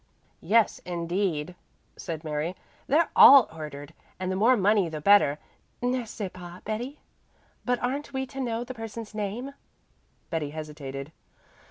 "Yes indeed," said Mary, "they're all ordered, and the more money the better, n'est ce pas, Betty? But aren't we to know the person's name?" Betty hesitated.